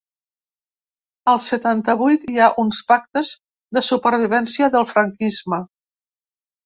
Al setanta-vuit hi ha uns pactes de supervivència del franquisme.